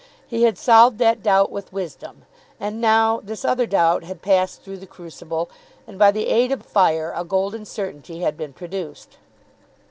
He had solved that doubt with wisdom. And now this other doubt had passed through the crucible, and by the aid of fire a golden certainty had been produced.